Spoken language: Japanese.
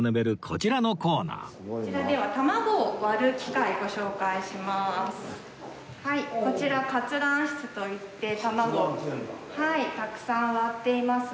こちらではこちら割卵室といって卵をたくさん割っていますが。